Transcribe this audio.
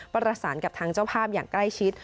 ประสานกับทางเจ้าภาพอย่างใกล้ชิด